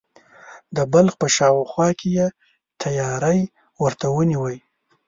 د بلخ په شاوخوا کې یې تیاری ورته ونیوی.